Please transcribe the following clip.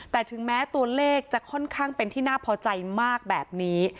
แต่ถึงแม้ตัวเลขจะค่อนข้างเป็นที่น่าพอใจมากแบบนี้